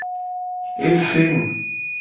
Evem.